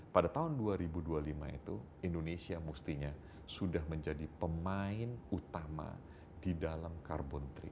pada tahun dua ribu dua puluh lima itu indonesia mestinya sudah menjadi pemain utama di dalam carbon tiga